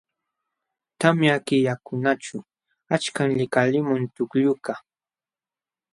Tamya killakunaćhu achkam likalimun tukllukaq..